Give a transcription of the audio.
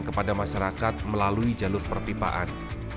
kepada masyarakat melalui jalur perpipaan